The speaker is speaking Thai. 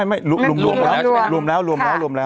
ไม่รวมแล้วรวมแล้วรวมแล้ว